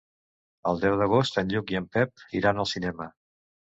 El deu d'agost en Lluc i en Pep iran al cinema.